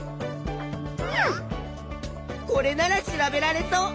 これなら調べられそう。